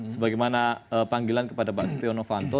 sebagaimana panggilan kepada pak setiano panto